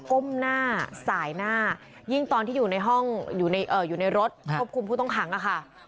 ก้มหน้าสายหน้ายิ่งตอนที่อยู่ในห้องอยู่ในรถควบคุมผู้ต้องขังค่ะ